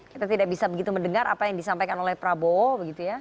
kita tidak bisa begitu mendengar apa yang disampaikan oleh prabowo begitu ya